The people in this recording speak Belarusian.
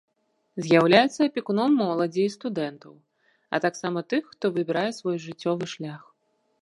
З'яўляецца апекуном моладзі і студэнтаў, а таксама тых, хто выбірае свой жыццёвы шлях.